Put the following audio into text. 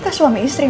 mas ini udah selesai